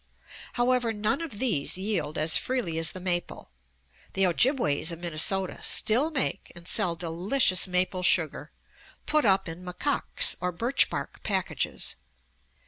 However, none of these yield as freely as the maple. The Ojibways of Minnesota still make and sell delicious maple sugar, put up in "mococks," or birch bark packages.